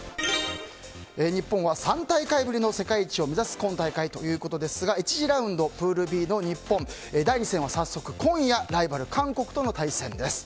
日本は３大会ぶりの世界一を目指す今大会ということですが１次ラウンドプールＢの日本第２戦は早速、今夜ライバル、韓国との対戦です。